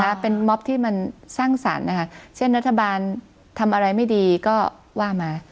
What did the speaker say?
ถ้าเป็นม็อบที่มันสร้างสรรค์นะคะเช่นรัฐบาลทำอะไรไม่ดีก็ว่ามา